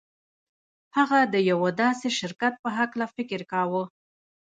هغه د يوه داسې شرکت په هکله فکر کاوه.